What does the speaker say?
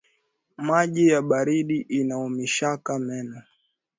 Maji ya baridi inaumishaka meno